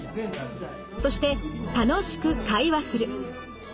そして楽しく会話する。